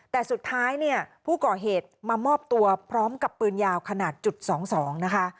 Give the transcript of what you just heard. แต่สุดท้ายเนี่ยผู้ก่อเหตุมามอบตัวพร้อมกับปืนยาวขนาดจุด๒๒นะคะ